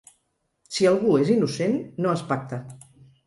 Si algú és innocent no es pacta.